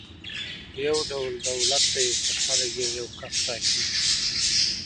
یو ډول دولت دی چې خلک یې یو کس ټاکي.